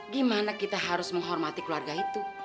gimana kita harus menghormati keluarga itu